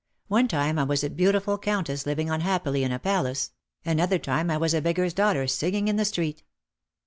One time I was a beautiful countess living unhappily in a palace, another time I was a beggar's daughter singing in the street.